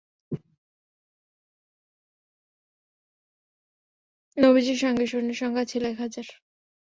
নবীজীর সঙ্গে সৈন্য সংখ্যা ছিল একহাজার।